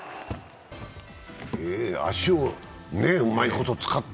足をうまいこと使って。